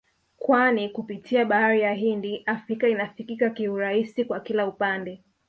kwani kupitia bahari ya Hindi Afrika inafikika kiurahisi kwa kila upande